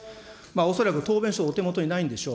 恐らく答弁書、お手元にないんでしょう。